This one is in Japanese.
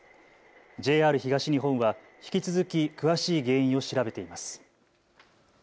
ＪＲ東日本は引き続き詳しい原因を調べています。